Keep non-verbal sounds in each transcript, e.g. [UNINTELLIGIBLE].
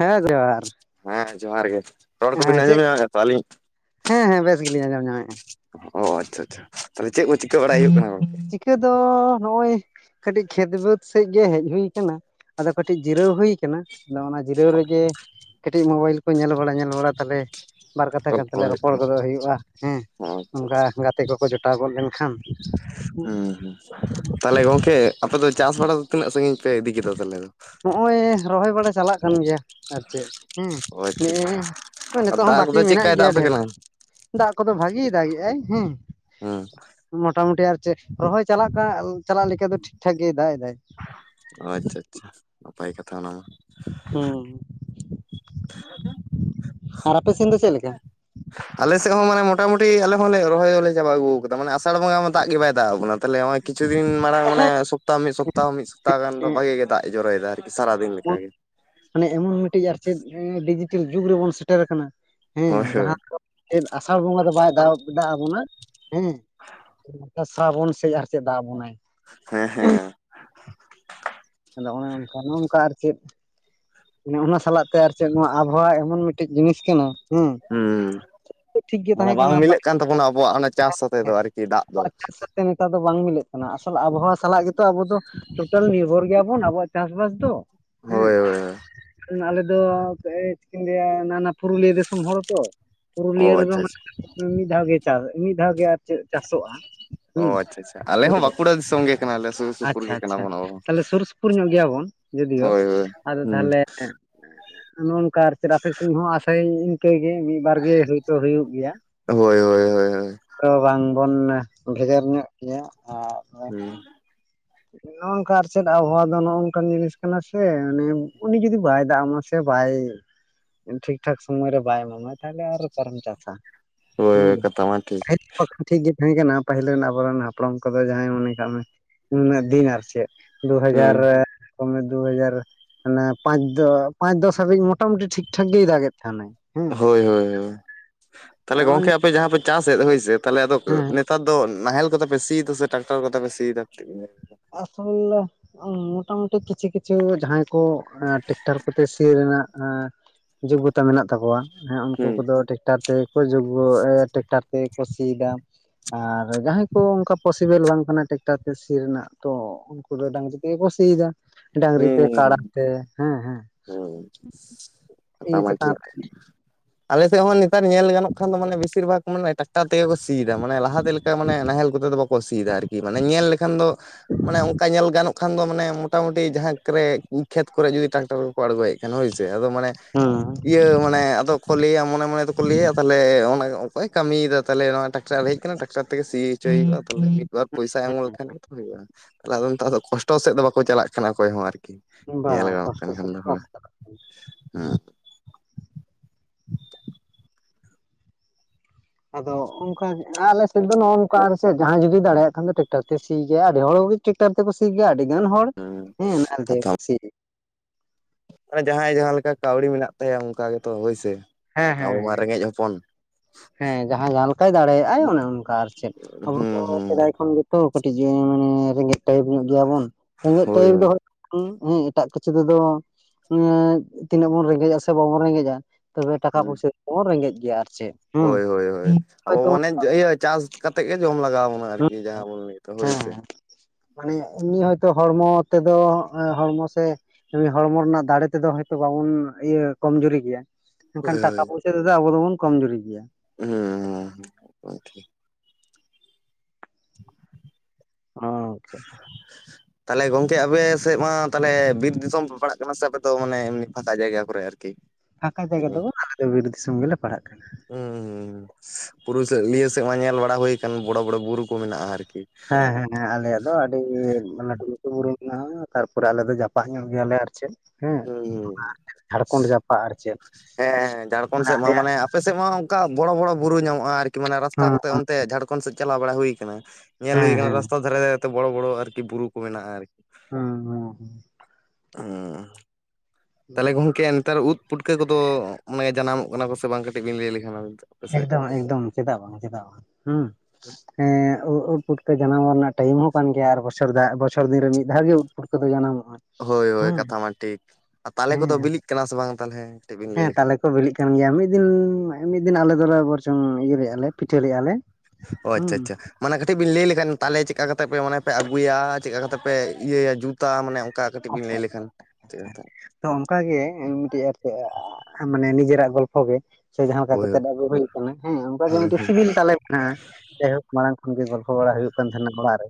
ᱦᱮᱸ [INAUDIBLE] ᱦᱮᱸ ᱡᱚᱦᱟᱨ ᱜᱮ ᱨᱚᱲ ᱠᱚᱵᱤᱱ ᱦᱮᱸ ᱪᱮᱫ ᱟᱸᱡᱚᱢᱮᱜ-ᱟ ᱛᱚ ᱟᱞᱤᱧ? ᱦᱮᱸ ᱦᱮᱸ ᱵᱮᱥ ᱜᱮᱞᱤᱧ ᱟᱸᱡᱚᱢ ᱧᱟᱢᱮᱜ-ᱟ᱾ ᱚ ᱟᱪᱪᱷᱟ ᱟᱪᱪᱷᱟ, ᱛᱟᱞᱦᱮ ᱪᱮᱫ ᱠᱚ ᱪᱤᱠᱟᱹ ᱵᱟᱲᱟᱭ ᱦᱩᱭᱩᱜ ᱠᱟᱱᱟ ‌ᱜᱚᱝᱠᱮ? ᱪᱤᱠᱟᱹ ᱫᱚ ᱱᱚᱜ-ᱚᱭ ᱠᱟᱹᱴᱤᱡ ᱠᱷᱮᱛ ᱵᱟᱹᱫᱽ ᱥᱮᱡ ᱜᱮ ᱦᱮᱡ ᱦᱩᱭ ᱠᱟᱱᱟ᱾ ᱟᱫᱚ ᱠᱟᱹᱴᱤᱡ ᱡᱤᱨᱟᱹᱣ ᱦᱩᱭ ᱠᱟᱱᱟ, ᱟᱫᱚ ᱚᱱᱟ ᱡᱤᱨᱟᱹᱣ ᱨᱮᱜᱮ ᱠᱟᱹᱴᱤᱡ ᱢᱳᱵᱟᱭᱤᱞ ᱠᱚ ᱧᱮᱞ ᱵᱟᱲᱟ ᱧᱮᱞ ᱵᱟᱲᱟ ᱛᱟᱞᱦᱮ, ᱵᱟᱨ ᱠᱟᱛᱷᱟ ᱜᱟᱱ ᱜᱚᱞᱯᱚ ᱛᱟᱞᱦᱮ ᱦᱩᱭᱩᱜ ᱨᱚᱯᱚᱲ ᱠᱟᱱᱟ ᱜᱚᱫᱚᱜ ᱦᱩᱭᱩᱜ-ᱟ, ᱦᱮᱸ᱾ ᱚ ᱟᱪᱪᱷᱟ ᱚᱱᱠᱟ ᱟᱪᱪᱷᱟ ᱜᱟᱛᱮ ᱠᱚᱠᱚ ᱡᱚᱴᱟᱣ ᱜᱚᱫ ᱞᱮᱱᱠᱷᱟᱱ᱾ ᱦᱩᱸ ᱦᱩᱸ, ᱛᱟᱞᱦᱮ ᱜᱚᱝᱠᱮ ᱟᱯᱮ ᱫᱚ ᱪᱟᱥ ᱵᱟᱲᱟ ᱫᱚ ᱛᱤᱱᱟᱹᱜ ᱥᱟᱺᱜᱤᱧ ᱯᱮ ᱤᱫᱤ ᱠᱮᱫᱟ ᱛᱟᱞᱦᱮ ᱫᱚ? ᱱᱚᱜ-ᱚᱭ ᱨᱚᱦᱚᱭ ᱵᱟᱲᱟ ᱪᱟᱞᱟᱜ ᱠᱟᱱ ᱜᱮᱭᱟ᱾ ᱟᱨ ᱪᱮᱫ ᱦᱮᱸ, ᱚ ᱟᱪᱪᱷᱟ ᱟᱪᱪᱷᱟ ᱱᱮᱜᱼ-ᱮ ᱟᱨ ᱱᱤᱛᱚᱜ ᱦᱚᱸ ᱫᱟᱜ ᱵᱟᱠᱤ ᱠᱚᱫᱚ ᱢᱮᱱᱟᱜ ᱪᱮᱫᱠᱟᱭ ᱫᱟᱜ ᱜᱮᱭᱟ ᱟᱯᱮ ᱰᱷᱮᱨ ᱠᱟᱱᱟ ᱜᱮ᱾ ᱫᱟᱜ ᱠᱚᱫᱚ ᱵᱷᱟᱜᱮᱭ ᱫᱟᱜᱮᱜ-ᱟᱭ ᱦᱮᱸ᱾ ᱦᱩᱸ᱾ ᱢᱚᱴᱟᱢᱩᱴᱤ ᱟᱨ ᱪᱮᱫ ᱨᱚᱦᱚᱭ ᱪᱟᱞᱟᱜ ᱠᱟ, ᱪᱟᱞᱟᱜ ᱞᱮᱠᱟ ᱫᱚ ᱴᱷᱤᱠ ᱴᱷᱟᱠ ᱜᱮᱭ ᱫᱟᱜ ᱮᱫᱟᱭ᱾ ᱚᱱᱟᱪᱪᱷᱟ ᱟᱪᱪᱷᱟ, ᱱᱟᱯᱟᱭ ᱠᱟᱛᱷᱟ ᱚᱱᱟ ᱢᱟ᱾ ᱦᱩᱸ, ᱟᱨ ᱟᱯᱮ ᱥᱮᱱ ᱫᱚ ᱪᱮᱜ ᱞᱮᱠᱟ? ᱟᱞᱮ ᱥᱮᱫ ᱦᱚᱸ ᱢᱟᱱᱮ ᱢᱚᱴᱟᱢᱩᱴᱤ ᱟᱞᱮ ᱦᱚᱸ ᱞᱮ ᱨᱚᱦᱚᱭ ᱫᱚᱞᱮ ᱪᱟᱵᱟ ᱟᱹᱜᱩᱣ ᱠᱟᱫᱟ ᱢᱟᱱᱮ ᱟᱥᱟᱲ ᱵᱚᱸᱜᱟ ‌ᱢᱟ ᱫᱟᱜ ᱜᱮ ᱵᱟᱭ ᱫᱟᱜ ᱟᱵᱚᱱᱟ ᱛᱟᱞᱦᱮ ᱠᱤᱪᱷᱩ ᱫᱤᱱ ᱢᱟᱬᱟᱝ ᱢᱟᱱᱮ ᱮᱸ ᱥᱚᱯᱛᱟᱦ ᱢᱤᱫ ᱥᱚᱯᱛᱟ ᱦᱚᱸ ᱢᱤᱫ ᱥᱚᱯᱛᱟᱦ ᱜᱟᱱ ᱫᱚ ᱮᱢᱚᱱ ᱵᱷᱟᱜᱮ ᱜᱮ ᱫᱟᱜ ᱮᱜᱼᱼ ᱡᱚᱨᱚᱭ ᱫᱟ ᱟᱨᱠᱤ ᱥᱟᱨᱟ ᱫᱤᱱ ᱞᱮᱠᱟ ᱜᱮ᱾ ᱢᱟᱱᱮ ᱮᱢᱚᱱ ᱢᱤᱫᱴᱤᱡ ᱟᱨ ᱪᱮᱫ ᱮᱸ ᱰᱤᱡᱤᱴᱮᱞ ᱡᱩᱜᱽ ᱨᱮᱵᱚᱱ ᱥᱮᱴᱮᱨ ᱠᱟᱱᱟ ᱦᱮᱸ ᱦᱳᱭ ᱦᱳᱭ ᱡᱟᱦᱟᱸ ᱠᱚ ᱪᱮᱫ ᱟᱥᱟᱲ ᱵᱚᱸᱜᱟ ᱫᱚ ᱵᱟᱭ ᱫᱟᱣ ᱫᱟᱜ ᱟᱵᱚᱱᱟ ᱦᱮᱸ᱾ ᱥᱨᱟᱵᱚᱱ ᱥᱮᱫ ᱟᱨ ᱪᱮᱫ ᱫᱟᱜ ᱟᱵᱚᱱᱟᱭ᱾ ᱦᱮᱸ ᱦᱮᱸ᱾ ᱟᱫᱚ ᱚᱱᱮ ᱚᱱᱠᱟ, ᱱᱚᱜ-ᱚᱠᱟ ᱟᱨ ᱪᱮᱫ? ᱢᱟᱱᱮ ᱚᱱᱟ ᱥᱟᱞᱟᱜ ᱛᱮ ᱟᱨ ᱪᱮᱫ ᱱᱚᱣᱟ ᱟᱵᱚᱦᱟᱣᱟ ᱮᱢᱚᱱ ᱢᱤᱫᱴᱮᱡ ᱡᱤᱱᱤᱥ ᱠᱟᱱᱟ᱾ ᱦᱮᱸ ᱦᱩᱸ᱾ ᱴᱷᱤᱠ ᱜᱮ ᱢᱟᱱᱮ ᱛᱟᱦᱮᱸ ᱵᱟᱝ ᱠᱟᱱᱟ ᱢᱤᱞᱟᱹᱜ ᱯᱟᱹᱦᱤᱞ ᱠᱟᱱ ᱛᱟᱵᱚᱱᱟ ᱟᱵᱚᱣᱟᱜ ᱚᱱᱟ ᱪᱟᱥ ᱥᱟᱛᱮᱜ ᱫᱚ ᱟᱨ ᱠᱤ ᱫᱟᱜ ᱫᱚ᱾ ᱛᱮ ᱱᱮᱛᱟᱨ ᱫᱚ ᱵᱟᱝ ᱢᱤᱞᱟᱹᱜ ᱠᱟᱱᱟ ᱟᱥᱚᱞ ᱟᱵᱚᱦᱟᱣᱟ ᱥᱟᱞᱟᱜ ᱜᱮ ᱛᱚ ᱟᱚ ᱴᱳᱴᱚᱞ ᱱᱤᱨᱵᱷᱚᱨ ᱜᱮᱭᱟ᱾ ᱵᱚᱱ ᱟᱵᱚᱣᱟᱜ ᱪᱟᱥᱼᱵᱟᱥ ᱫᱚ ᱦᱳᱭ ᱦᱳᱭ ᱦᱳᱭ ᱦᱮᱸ᱾ ᱟᱞᱮ ᱫᱚ ‌‌ᱮᱸ ᱪᱤᱠᱟᱹᱧ ᱞᱟᱹᱭᱟ ᱚᱱᱟ ᱱᱟ ᱯᱩᱨᱩᱞᱤᱭᱟᱹ ᱫᱤᱥᱚᱢ ᱦᱚᱲ ᱛᱚ ᱯᱩᱨᱩᱞᱤᱭᱟᱹ ᱚ ᱨᱮᱫᱚ ᱟᱪᱪᱷᱟ ᱟᱪᱪᱷᱟ ᱢᱟᱱᱮ ᱢᱤᱫ ᱫᱷᱟᱣ ᱜᱮ ᱪᱟᱥ ᱢᱤᱫ ᱫᱷᱟᱣ ᱜᱮ ᱪᱮᱫ ᱪᱟᱥᱚᱜ-ᱟ ᱦᱩᱸ, ᱦᱩᱲᱩ ᱫᱚ᱾ ᱠᱟᱹ ᱫᱤᱥᱚᱢ ‌ᱜᱮ᱾ ᱟᱪᱪᱷᱟ ᱟᱪᱪᱷᱟ, ᱛᱟᱦᱚᱞᱮ ᱥᱩᱨ ᱥᱩᱯᱩᱨ ᱧᱚᱜ ᱜᱮᱭᱟ ᱵᱚᱱ ᱡᱚᱫᱤᱭᱳ ᱦᱳᱭ ᱦᱳᱭ ᱟᱫᱚ ᱦᱩᱸ ᱛᱟᱦᱞᱮ ᱮᱜ ᱟ ᱱᱚᱜ ᱚᱱᱠᱟᱨ ᱪᱮᱫᱟᱜ ᱟᱯᱮ ᱥᱮᱱ ᱦᱚᱸ ᱟᱥᱟ ‌ᱭᱟᱹᱧ‌ ᱤᱱᱠᱟᱹ ᱜᱮ ᱢᱤᱜ ᱵᱟᱨ ᱜᱮ ᱦᱚᱭᱛᱚ ᱦᱩᱭᱩᱜ ᱜᱮᱭᱟ᱾ ᱦᱳᱭ ᱦᱳᱭ ᱦᱳᱭ ᱦᱳᱭ ᱛᱚ ᱵᱟᱝ ᱵᱚᱱ ᱵᱷᱮᱜᱟᱨ ᱧᱚᱜ ᱜᱮᱭᱟ ᱟᱨ ᱦᱩᱸ ᱱᱚᱜ ᱚᱝᱠᱟ ᱟᱨ ᱪᱮᱫ ᱟᱵᱚᱦᱟᱣᱟ ᱫᱚ ᱱᱚᱜᱼ ᱱᱚᱝᱠᱟᱱ ᱡᱤᱱᱤᱥ ᱠᱟᱱᱟ ᱥᱮ ᱚᱱᱮ ᱩᱱᱤ ᱡᱩᱫᱤ ᱵᱟᱭ ᱫᱟᱜ ᱟᱢᱟ ᱥᱮ ᱵᱟᱭ ᱴᱷᱤᱠ ᱴᱷᱟᱠ ᱥᱚᱢᱚᱭ ᱨᱮ ᱵᱟᱭ ᱮᱢᱟᱢᱟ ᱛᱟᱦᱚᱞᱮ ᱟᱨ ᱚᱠᱟ ᱨᱮᱢ ᱪᱟᱥᱟ᱾ ᱦᱳᱭ ᱦᱩᱸ ᱦᱳᱭ ᱠᱟᱛᱷᱟ ᱢᱟ ᱴᱷᱤᱠ ᱠᱷᱟᱡ ‌ᱠᱚ ᱴᱷᱤᱠ ᱜᱮ ᱛᱟᱦᱮᱸ ᱠᱟᱱᱟ ᱯᱟᱦᱤᱞ ᱨᱮᱱ ᱟᱵᱚ ᱨᱮᱱ ᱦᱟᱯᱲᱟᱢ ᱠᱚᱫᱚ ᱡᱟᱦᱟᱸᱭ ᱢᱚᱱᱮ ᱠᱟᱜ ᱢᱮ ᱩᱱ ᱩᱱᱟᱹᱜ ᱫᱤᱱ ᱟᱨ ᱪᱮᱫ᱾ ᱫᱩ ᱦᱩᱸ ᱦᱟᱡᱟᱨ ᱠᱟᱵ ᱢᱮ ᱫᱩ ᱦᱟᱡᱟᱨ ᱚᱱᱮ ᱯᱟᱸᱪ ᱫᱚ ᱯᱟᱸᱪ ᱫᱚᱥ ᱦᱟᱹᱵᱤᱡ ᱢᱚᱴᱟᱼᱢᱩᱴᱤ ᱴᱷᱤᱠ ᱴᱷᱟᱠ ᱜᱮᱭ ᱫᱟᱜᱮᱜ ᱛᱟᱦᱮᱸ ᱱᱟᱭ᱾ ᱦᱳᱭ ᱦᱳᱭ ᱦᱳᱭ, ᱛᱟᱦᱚᱞᱮ ᱱᱚᱜᱼᱚᱭ ᱜᱚᱝᱠᱮ ᱟᱯᱮ ᱡᱟᱦᱟᱸ ᱯᱮ ᱪᱟᱥᱮᱫ ᱦᱳᱭ ᱥᱮ ᱛᱟᱦᱚᱞᱮ ᱟᱫᱚᱜ ᱦᱮᱸ ᱱᱮᱛᱟᱨ ᱫᱚ ᱫᱚ ᱱᱟᱦᱮᱞ ᱠᱚᱛᱮ ᱯᱮ ᱥᱤᱭ ᱫᱟ ᱥᱮ ᱴᱨᱟᱠᱴᱟᱨ ᱠᱚᱛᱮ ᱯᱮ ᱥᱤᱭ ᱫᱟ ‌ᱠᱟᱹᱴᱤᱡ ᱞᱟᱭ ‌ᱢᱮ? ᱟᱥᱚᱞ ᱫᱚ ᱚᱸ ᱢᱟᱴᱟᱼᱢᱩᱴᱤ ᱠᱤᱪᱷᱩ ᱠᱤᱪᱷᱩ ᱡᱟᱦᱟᱸᱭ ᱠᱚ ᱦᱮᱸ ᱴᱮᱠᱴᱟᱨ ᱠᱚᱛᱮ ᱥᱤ ᱨᱮᱱᱟᱜ ᱮᱸ ᱡᱳᱜᱚᱛᱟ ᱢᱮᱱᱟᱜ ᱛᱟᱵᱳᱣᱟ᱾ ᱦᱮᱸ ᱩᱱᱠᱩ ᱦᱩᱸ ᱠᱚᱫᱚ ᱴᱮᱠᱴᱟᱨ ᱛᱮᱜᱮ ᱠᱚ ᱡᱳᱜᱳ ᱮ ᱴᱮᱠᱴᱟᱨ ᱛᱮᱜᱮ ᱠᱚ ᱥᱤᱭ ᱫᱟ᱾ ᱟᱨ ᱡᱟᱦᱟᱸᱭ ᱠᱚ ᱚᱱᱠᱟ ᱯᱳᱥᱤᱵᱮᱞ ᱵᱟᱝ ᱠᱟᱱᱟ ᱴᱮᱠᱴᱟᱨ ᱛᱮ ᱥᱤ ᱨᱮᱱᱟᱜ᱾ ᱛᱚ ᱩᱱᱠᱩ ᱫᱚ ᱰᱟᱝᱨᱤ ᱛᱮᱜᱮ ᱠᱚ ᱥᱤᱭ ᱫᱟ᱾ ᱰᱟᱝᱨᱤ ᱛᱮ ᱦᱩᱸ ᱠᱟᱲᱟ ᱛᱮ ᱦᱮᱸ ᱦᱮᱸ ᱦᱩᱸ ᱠᱟᱛᱷᱟ ᱤᱭᱟᱹ ᱢᱟ ᱴᱷᱤᱠ ᱪᱮᱛᱟᱱ ᱨᱮ᱾ ᱟᱞᱮ ᱥᱮᱫ ᱦᱚᱸ ᱱᱮᱛᱟᱨ ᱧᱮᱞ ᱜᱟᱱᱚᱜ ᱠᱷᱟᱱ ᱫᱚ ᱢᱟᱱᱮ ᱵᱮᱥᱤᱨ ᱵᱷᱟᱜᱽ ᱢᱟᱱᱮ ᱴᱟᱜ ᱴᱟᱨ ᱛᱮᱜᱮ ᱠᱚ ᱥᱤᱫ ᱮᱫᱟ ᱢᱟᱱᱮ ᱞᱟᱦᱟ ᱛᱮ ᱞᱮᱠᱟ ᱢᱟᱱᱮ ᱱᱟᱦᱮᱞ ᱠᱚᱛᱮ ᱫᱚ ᱵᱟᱠᱚ ᱥᱤ ᱥᱤᱭ ᱫᱟ ᱟᱨᱠᱤ ᱢᱟᱱᱮ ᱧᱮᱞ ᱞᱮᱠᱷᱟᱱ ᱫᱚ ᱢᱟᱱᱮ ᱚᱱᱠᱟ ᱧᱮᱞ ᱜᱟᱱᱚᱜ ᱠᱷᱟᱱ ᱫᱚ ᱢᱟᱱᱮ ᱢᱚᱴᱟᱢᱩᱴᱤ ᱴᱤᱡ ᱡᱟᱦᱟᱸ ᱠᱚᱨᱮ ᱠᱷᱮᱛ ᱠᱚᱨᱮ ᱡᱩᱫᱤ ᱴᱨᱟᱠᱴᱚᱨ ᱠᱚᱠᱚ ᱟᱲᱜᱚᱭᱮᱫ ᱠᱷᱟᱱ ᱦᱳᱭᱥᱮ ᱟᱫᱚ ᱢᱟᱱᱮ ᱤᱭᱟᱹ ᱢᱟᱱᱮ ᱟᱫᱚ ᱠᱚ ᱞᱟᱹᱭᱟ ᱢᱚᱱᱮ ᱢᱚᱱᱮ ᱫᱚᱠᱚ ᱞᱟᱹᱭᱟ ᱛᱟᱦᱚᱞᱮ ᱚᱱᱟ ᱚᱠᱚᱭ ᱠᱟᱹᱢᱤᱭᱮᱫᱟ ᱛᱟᱦᱚᱞᱮ ᱱᱚᱣᱟ ᱴᱟᱠᱴᱟᱨ ᱦᱮᱡ ᱟᱠᱟᱱᱟ ᱴᱟᱠᱴᱟᱨ ᱛᱮᱜᱮ ᱥᱤ ᱦᱚᱪᱚᱭ ᱦᱩᱭᱩᱜᱼᱟ ᱢᱤᱫᱵᱟᱨ ᱯᱚᱭᱥᱟ ᱮᱢ ᱞᱮᱠᱷᱟᱱ ᱜᱮ᱾ ᱦᱩᱭᱩᱜᱼᱟ ᱛᱟᱦᱮ ᱟ ᱱᱮᱛᱟᱨ ᱫᱚ ᱠᱚᱥᱴᱚ ᱥᱮᱫ ᱫᱚ ᱵᱟᱠᱚ ᱪᱟᱞᱟᱜ ᱠᱟᱱᱟ ᱚᱠᱚᱭ ᱦᱚᱸ ᱟᱨᱠᱤ᱾ ᱧᱮᱞ ᱵᱟ ᱜᱟᱱᱚᱜ ᱠᱟᱱ ᱠᱚᱥᱴᱚ ᱠᱷᱟᱱ ᱫᱚ ᱥᱟᱦᱤᱡ ᱠᱚ ᱦᱳᱭ ᱦᱟᱛᱟᱣᱟ᱾ ᱦᱮᱸ᱾ ᱟᱫᱚ ᱚᱱᱠᱟ ᱟᱞᱮ ᱥᱮᱫ ᱫᱚ ᱱᱚᱜ ᱱᱚᱝᱠᱟ ᱡᱟᱦᱟᱸᱭ ᱡᱩᱫᱤ ᱫᱟᱲᱮᱭᱟᱜ ᱠᱷᱟᱱ ᱫᱚ ᱴᱮᱠᱴᱟᱨ ᱛᱮ ᱥᱤ ᱜᱮᱭᱟ ᱟᱹᱰᱤ ᱦᱚᱲᱜᱮ ᱴᱟᱨ ᱛᱮ ᱠᱩ ᱥᱤ ᱜᱮᱭᱟ ᱟᱹᱰᱤ ᱜᱟᱱ ᱦᱚᱲ ᱦᱮᱸ ᱱᱟᱦᱮᱞ ᱛᱮᱜᱮ ᱠᱟᱛᱷᱟ ᱠᱩ ᱥᱤᱭᱟ᱾ ᱡᱟᱦᱟᱸᱭ ᱡᱟᱦᱟᱸ ᱞᱮᱠᱟ ᱠᱟᱹᱣᱰᱤ ᱢᱮᱱᱟᱜ ᱛᱟᱭᱟ ᱚᱱᱠᱟ ᱜᱮᱛᱚ ᱦᱳᱭᱥᱮ ᱦᱮᱸ ᱟᱵᱚ ᱦᱮᱸ ᱢᱟ ᱦᱮᱸ ᱨᱮᱸᱜᱮᱡ ᱦᱚᱯᱚᱱ᱾ ᱦᱮᱸ ᱡᱟᱦᱟᱸ ᱡᱟᱦᱟᱸ ᱞᱮᱠᱟᱭ ᱫᱟᱲᱮᱭᱟᱜ ᱟᱭ ᱦᱩᱸ ᱚᱱᱮ ᱚᱱᱠᱟ ᱟᱨ ᱪᱮᱫ ᱟᱵᱚ ᱦᱩᱸ ᱥᱮᱫᱟᱭ ᱠᱷᱚᱱ ᱜᱮ ᱛᱚ ᱠᱟᱹᱴᱤᱡ ᱢᱟᱱᱮ ᱨᱮᱸᱜᱮᱡ ᱴᱟᱭᱤᱯ ᱧᱚᱜ ᱜᱮᱭᱟᱵᱚᱱ ᱨᱮᱸᱜᱮᱡ ᱦᱳᱭ ᱴᱟᱭᱤᱯ ᱫᱚ ᱦᱳᱭ ᱦᱩᱸ ᱦᱮᱸ ᱮᱴᱟᱜ ᱠᱤᱪᱷᱩ ᱛᱮᱫᱚ ᱛᱤᱱᱟᱹᱜ ᱵᱚᱱ ᱨᱮᱸᱜᱮᱡ ᱟᱥᱮ ᱵᱟᱵᱚᱱ ᱨᱮᱸᱜᱮᱡᱼᱟ᱾ ᱛᱚᱵᱮ ᱴᱟᱠᱟ ᱯᱩᱭᱥᱟ ᱛᱮ ᱫᱚ ᱵᱚᱱ ᱨᱮᱸᱜᱮᱡ ᱜᱮᱭᱟ ᱟᱨ ᱪᱮᱫ᱾ ᱦᱩᱸ ᱦᱳᱭ ᱦᱳᱭ ᱦᱳᱭ, ᱟᱵᱚ ᱦᱚᱭᱛᱚ ᱚᱱᱮ ᱤᱭᱟᱹ ᱪᱟᱥ ᱠᱟᱛᱮᱫ ᱜᱮ ᱡᱚᱢ ᱞᱟᱜᱟᱣ ᱵᱚᱱᱟ ᱟᱨᱠᱤ ᱡᱟᱦᱟᱸ ᱵᱚᱱ ᱞᱟᱹᱭ᱾ ᱫᱚ ᱦᱳᱭ ᱦᱮᱸ ᱥᱮ ᱢᱟᱱᱮ ᱮᱢᱱᱤ ᱦᱚᱭᱛᱚ ᱦᱚᱲᱢᱚ ᱛᱮᱫᱚ ᱦᱚᱲᱢᱚ ᱥᱮ ᱦᱚᱲᱢᱚ ᱨᱮᱱᱟᱜ ᱫᱟᱲᱮ ᱛᱮᱫᱚ ᱦᱚᱭᱛᱚ ᱵᱟᱵᱚᱱ ᱤᱭᱟᱹ ᱠᱚᱢᱡᱩᱨᱤ ᱜᱮᱭᱟ᱾ ᱦᱳᱭ ᱢᱮᱱᱠᱷᱟᱱ ᱴᱟᱠᱟ ᱦᱳᱭ ᱯᱚᱭᱸᱥᱟ ᱛᱮᱫᱚ ᱟᱵᱚ ᱫᱚᱵᱚᱱ ᱠᱚᱢᱡᱩᱨᱤ ᱜᱮᱭᱟ᱾ ᱦᱩᱸ ᱦᱩᱸ ᱜᱚᱝᱠᱮ᱾ [INAUDIBLE] ᱦᱚ ᱟᱪᱷᱟ᱾ ᱛᱟᱦᱚᱞᱮ ᱜᱚᱢᱠᱮ ᱟᱯᱮ ᱥᱮᱫ ᱢᱟ ᱛᱟᱦᱚᱞᱮ ᱵᱤᱨ ᱫᱤᱥᱚᱢ ᱯᱮ ᱯᱟᱲᱟᱜ ᱠᱟᱱᱟ ᱥᱮ ᱟᱯᱮ ᱫᱚ ᱢᱟᱱᱮ ᱮᱢᱱᱤ ᱯᱷᱟᱠᱟ ᱡᱟᱭᱜᱟ ᱠᱚᱨᱮ ᱟᱨᱠᱤ? ᱯᱷᱟᱸᱠᱟ ᱡᱟᱭᱜᱟ ᱫᱚ ᱦᱩᱸ ᱟᱞᱮ ᱫᱚ ᱵᱤᱨ ᱫᱤᱥᱚᱢ ᱜᱮᱞᱮ ᱯᱟᱲᱟᱜ ᱠᱟᱱᱟ᱾ ᱦᱩᱸ ᱦᱩᱸ ᱵᱩᱨᱩ ᱥᱮᱫ ᱤᱭᱟᱹ ᱥᱮᱫ ᱢᱟ ᱧᱮᱞ ᱵᱟᱲᱟ ᱦᱳᱭᱠᱟᱱ ᱵᱚᱲᱚ ᱵᱚᱲᱚ ᱵᱩᱨᱩ ᱠᱚ ᱢᱮᱱᱟᱜᱼᱟ ᱟᱨᱠᱤ᱾ ᱦᱮᱸ ᱦᱮᱸ ᱦᱮᱸ ᱟᱞᱮᱭᱟᱜ ᱫᱚ ᱟᱹᱰᱤ ᱞᱟᱹᱴᱩ ᱞᱟᱹᱴᱩ ᱵᱩᱨᱩ ᱢᱮᱱᱟᱜᱼᱟ ᱛᱟᱨᱯᱚᱨᱮ ᱟᱞᱮ ᱫᱚ ᱡᱟᱯᱟᱜ ᱧᱚᱜ ᱜᱮᱭᱟᱞᱮ ᱟᱨ ᱪᱮᱫ᱾ ᱦᱮᱸ ᱦᱩᱸ ᱦᱩᱸ ᱚᱱᱟ ᱡᱷᱟᱲᱠᱷᱚᱱᱰ ᱡᱟᱯᱟᱜ ᱟᱨ ᱪᱮᱫ ᱦᱮᱸ ᱦᱮᱸ ᱡᱷᱟᱲᱠᱷᱚᱸᱰ ᱢᱟᱱᱮ ᱥᱮᱫ ᱢᱟ ᱟᱞᱮᱭᱟᱜ᱾ ᱟᱯᱮ ᱥᱮᱫ ᱢᱟ ᱚᱱᱠᱟ ᱵᱚᱲᱚ ᱵᱚᱲᱚ ᱵᱩᱨᱩ ᱧᱟᱢᱚᱜᱼᱟ ᱟᱨᱠᱤ ᱢᱟᱱᱮ ᱨᱟᱥᱛᱟ ᱦᱮᱸ ᱠᱚᱛᱮ ᱚᱱᱛᱮ ᱡᱷᱟᱲᱠᱷᱚᱸᱰ ᱥᱮᱫ ᱪᱟᱞᱟᱣ ᱵᱟᱲᱟ ᱦᱩᱭᱠᱟᱱᱟ᱾ ᱧᱮᱞ ᱦᱮᱸ ᱦᱩᱭ ᱠᱟᱱᱟ ᱦᱮᱸ ᱨᱟᱥᱛᱟ ᱫᱷᱟᱨᱮ ᱫᱷᱟᱨᱮᱛᱮ ᱵᱚᱲᱚ ᱵᱚᱲᱚ ᱟᱨᱠᱤ ᱵᱩᱨᱩ ᱠᱚ ᱢᱮᱱᱟᱜᱼᱟ ᱟᱨᱠᱤ᱾ ᱦᱩᱸ ᱦᱩᱸ ᱦᱩᱸ ᱾ ᱛᱟᱦᱚᱞᱮ ᱜᱚᱢᱠᱮ ᱱᱮᱛᱟᱨ ᱩᱫ᱾ ᱯᱩᱴᱠᱟᱹ ᱠᱚᱫᱚ ᱢᱟᱱᱮ ᱡᱟᱱᱟᱢᱚᱜ ᱠᱟᱱᱟ ᱠᱚ ᱥᱮ ᱵᱟᱝ? ᱠᱟᱹᱴᱤᱡ ᱵᱤᱱ ᱞᱟᱹᱭ ᱞᱮᱠᱷᱟᱱ᱾ ᱟᱯᱮ ᱥᱮᱫ ᱮᱠᱫᱚᱢ ᱮᱠᱫᱚᱢ ᱪᱮᱫᱟᱜ ᱵᱟᱝ ᱪᱮᱫᱟᱜ ᱵᱟᱝ ᱦᱩᱸ ᱳᱫ ᱯᱩᱴᱠᱟᱹ ᱡᱟᱱᱟᱢ ᱚᱜ ᱨᱮᱱᱟᱜ᱾ ᱴᱟᱭᱤᱢ ᱦᱚᱸ ᱠᱟᱱ ᱜᱮᱭᱟ ᱟᱨ ᱵᱚᱪᱷᱚᱨ ᱫᱟᱜ ᱵᱚᱪᱷᱚᱨ ᱫᱤᱱ ᱨᱮ ᱢᱤᱫ ᱫᱷᱟᱣ ᱜᱮ ᱳᱫ ᱯᱩᱴᱠᱟ ᱫᱚ ᱡᱟᱱᱟᱢᱚᱜᱼᱟ᱾ ᱦᱳᱭ ᱦᱳᱭ ᱦᱮᱸ ᱠᱟᱛᱷᱟ ᱢᱟ ᱴᱷᱤᱠ ᱛᱟᱞᱮ ᱠᱚᱫᱚ ᱦᱮᱸ ᱵᱤᱞᱤᱜ ᱠᱟᱱᱟ ᱥᱮ ᱵᱟᱝ ᱛᱟᱦᱚᱞᱮ? ᱠᱟᱹᱴᱤᱡ ᱵᱤᱱ ᱞᱟᱹᱭ ᱦᱮᱸ ᱞᱮᱠᱷᱟᱱ ᱛᱟᱦᱟᱞᱮ ᱠᱚ ᱵᱤᱞᱤᱜ ᱠᱟᱱ ᱜᱮᱭᱟ ᱢᱤᱫ ᱫᱤᱱ ᱢᱤᱫ ᱫᱤᱱ ᱟᱞᱮ ᱫᱚᱞᱮ ᱵᱚᱨᱪᱚᱝ ᱤᱭᱟᱹ ᱞᱮᱫ ᱞᱮ ᱯᱤᱴᱷᱟᱹ ᱞᱮᱜᱼᱟ ᱞᱮ᱾ ᱚ ᱟᱪᱷᱟ ᱦᱩᱸ ᱟᱪᱷᱟ᱾ ᱢᱟᱱᱮ ᱠᱟᱹᱴᱤᱡ ᱵᱤᱱ ᱞᱟᱹᱭ ᱞᱮᱠᱷᱟᱱ ᱛᱟᱦᱮ ᱪᱮᱫᱠᱟ ᱠᱟᱛᱮ ᱯᱮ ᱢᱟᱱᱮ ᱯᱮ ᱟᱹᱜᱩᱭᱟ ᱪᱮᱫᱠᱟ ᱠᱟᱛᱮ ᱯᱮ ᱤᱭᱟᱹᱭᱟ ᱡᱩᱛ ᱼᱟ? ᱢᱟᱱᱮ ᱚᱱᱠᱟ ᱠᱟᱹᱴᱤᱡ ᱵᱤᱱ ᱟᱪᱪᱷᱟ ᱞᱟᱹᱭ ᱞᱮᱠᱷᱟᱱ ᱪᱤᱠᱟᱹᱛᱮ᱾ ᱛᱚ ᱚᱱᱠᱟᱜᱮ ᱢᱤᱫᱴᱤᱡ ᱟᱨᱠᱮᱫ ᱢᱟᱱᱮ ᱱᱤᱡᱮᱨᱟᱜ ᱜᱚᱞᱯᱷᱚ ᱜᱮ᱾ ᱥᱮ ᱡᱟᱦᱟᱸ ᱞᱮᱠᱟ ᱦᱳᱭ ᱦᱳᱭ ᱠᱟᱛᱮᱫ ᱟᱹᱜᱩ ᱦᱩᱭᱩᱜ ᱠᱟᱱᱟ ᱦᱮᱸ ᱚᱱᱠᱟ ᱜᱮ ᱦᱩᱸ ᱢᱤᱫᱴᱮᱡ ᱦᱩᱸ ᱥᱤᱵᱤᱞ ᱛᱟᱞᱮ᱾ ᱦᱮᱸ ᱡᱟᱦᱳᱠ ᱢᱟᱲᱟᱝ ᱠᱷᱚᱱ ᱜᱮ ᱜᱚᱞᱯᱚ ᱵᱟᱲᱟ ᱦᱩᱭᱩᱜ ᱠᱟᱱ ᱛᱟᱦᱮᱱᱟ ᱚᱲᱟᱜ ᱨᱮ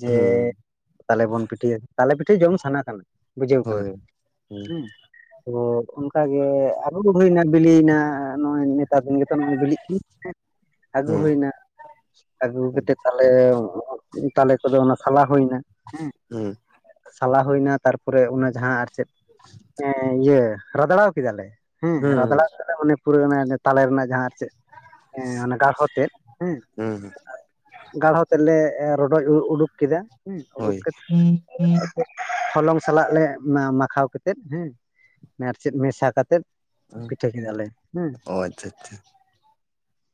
ᱡᱮ᱾ ᱦᱩᱸ ᱛᱟᱞᱮ ᱵᱚᱱ ᱯᱤᱴᱷᱟᱹᱭᱟ ᱛᱟᱞᱮ ᱯᱤᱴᱷᱟᱹ ᱡᱚᱢ ᱥᱟᱱᱟ ᱠᱟᱱᱟ ᱵᱩᱡᱷᱟᱹᱣ ᱠᱟᱱᱟ ᱦᱳᱭ ᱦᱩᱸ ᱦᱮᱸ᱾ ᱛᱚ ᱚᱱᱠᱟᱜᱮ ᱟᱜᱩ ᱠᱚ ᱦᱩᱭᱮᱱᱟ ᱵᱤᱞᱤᱭᱮᱱᱟ ᱱᱚᱜᱼᱚᱭ ᱱᱮᱛᱟᱨ ᱫᱤᱱ ᱨᱮ᱾ ᱱᱚᱣᱟ ᱵᱤᱞᱤᱜ ᱛᱮ ᱟᱹᱜᱩ ᱦᱩᱸ ᱦᱩᱭᱱᱟ᱾ ᱟᱹᱜᱩ ᱠᱟᱛᱮ ᱛᱟᱞᱦᱮ ᱛᱟᱞᱮ ᱠᱚᱫᱚ ᱚᱱᱟ ᱥᱟᱞᱟ ᱦᱩᱭᱱᱟ ᱦᱮᱸ᱾ ᱦᱩᱸ᱾ ᱥᱟᱞᱟ ᱦᱩᱭᱱᱟ ᱛᱟᱨᱯᱚᱨᱮ ᱚᱱᱟ ᱡᱟᱦᱟᱸ ᱟᱨ ᱪᱮᱫ ᱮ ᱤᱭᱟᱹ ᱨᱟᱫᱲᱟᱣ ᱠᱮᱫᱟᱞᱮ᱾ ᱦᱮᱸ ᱦᱩᱸ ᱨᱟᱫᱲᱟ ᱢᱟᱱᱮ ᱯᱩᱨᱟᱹ ᱛᱟᱞᱮ ᱨᱮᱱᱟᱜ ᱡᱟᱦᱟᱸ᱾ ᱪᱮᱫ ᱮ ᱚᱱᱟ ᱜᱟᱲᱦᱚ ᱛᱮᱫ ᱦᱮᱸ᱾ ᱦᱩᱸ ᱜᱟᱲᱦᱚ ᱛᱮᱫ ᱞᱮ ᱨᱚᱰᱚᱪ ᱩᱰᱩᱠ ᱠᱮᱫᱟ᱾ ᱦᱮᱸ ᱩᱰᱩᱠ ᱦᱳᱭ ᱠᱟᱛᱮᱫ ᱦᱩᱸ ᱦᱩᱸ ᱾ ᱦᱚᱞᱚᱝ ᱥᱟᱞᱟᱜ ᱞᱮ ᱢᱟᱠᱷᱟᱣ ᱠᱟᱛᱮᱫ ᱦᱮᱸ ᱟᱨ ᱪᱮᱫ ᱢᱮᱥᱟ ᱠᱟᱛᱮᱫ᱾ ᱯᱤᱴᱷᱟᱹ ᱠᱮᱫᱟᱞᱮ ᱦᱮᱸ᱾ ᱚ ᱟᱪᱷᱟ ᱟᱪᱷᱟ᱾